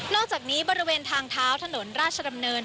อกจากนี้บริเวณทางเท้าถนนราชดำเนิน